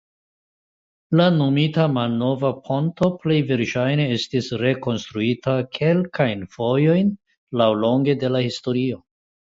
La nomita "malnova ponto" plej verŝajne estis rekonstruita kelkajn fojojn laŭlonge de la historio.